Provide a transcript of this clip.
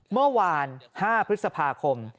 เมื่อวาน๕พฤษภาคม